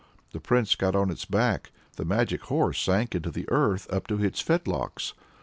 The Prince got on its back, the magic horse sank into the earth up to its fetlocks.